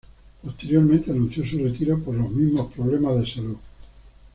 Posteriormente anunció su retiro por mismos problemas de salud.